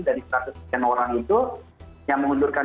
dari seratus orang itu yang mengundurkan